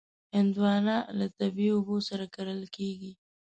هندوانه له طبعي اوبو سره کرل کېږي.